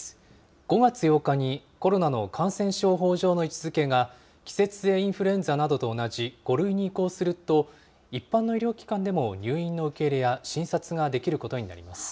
５月８日にコロナの感染症法上の位置づけが、季節性インフルエンザなどと同じ５類に移行すると、一般の医療機関でも入院の受け入れや診察ができることになります。